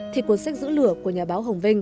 thì cuốn sách giữ lửa của nhà báo hồng vinh